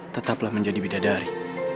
tetaplah menjadi bidadari